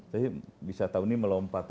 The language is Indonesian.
tapi bisa tahun ini melompat